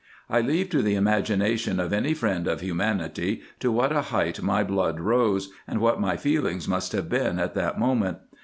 I leave to the imagination of any friend of humanity to what a height my blood rose, and what my feelings must have been at that moment.